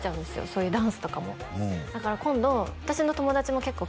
そういうダンスとかもだから今度私の友達も結構Ｋ−